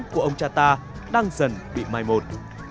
của ông cha ta đang dần bị mai một